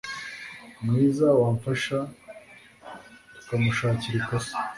mwiza wamfasha tukamushakira ikosa